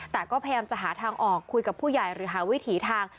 แต่ก็พยายามจะหาทางออกคุยกับผู้ใหญ่หรือหาวิถีทาง